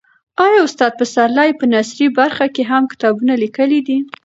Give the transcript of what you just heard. آیا استاد پسرلی په نثري برخه کې هم کتابونه لیکلي دي؟